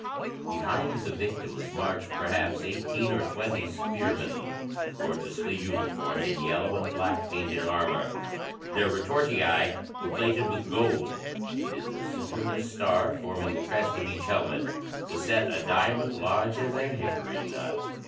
[Footnote 3: Death to the victims!] Behind the victims marched perhaps eighteen or twenty spearmen gorgeously uniformed in yellow and black painted armor. Their retortii were plated with gold, and in the center of a star forming the crest of each helmet was set a diamond large as a hickory nut.